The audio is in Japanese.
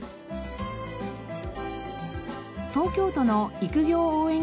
東京都の「育業」応援